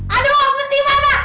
aduh apa sih mama